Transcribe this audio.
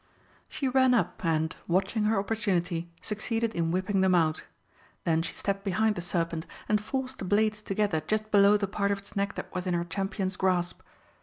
She ran up and, watching her opportunity, succeeded in whipping them out. Then she stepped behind the serpent, and forced the blades together just below the part of its neck that was in her champion's grasp.